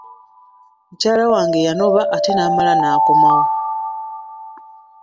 Mukyala wange yanoba ate n'amala n'akomawo.